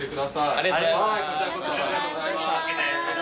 ありがとうございます。